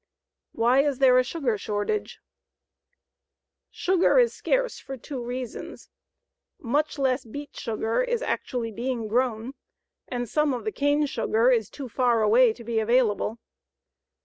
WHY IS THERE A SUGAR SHORTAGE? Sugar is scarce for two reasons much less beet sugar is actually being grown, and some of the cane sugar is too far away to be available.